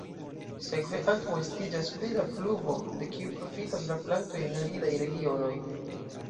Sekve ankaŭ estiĝas pli da pluvo, de kiu profitas la plantoj en aridaj regionoj.